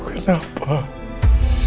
sekarang saya harus melakukannya apa